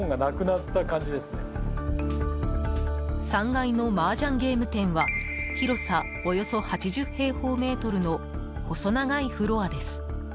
３階の麻雀ゲーム店は広さおよそ８０平方メートルの細長いフロアです。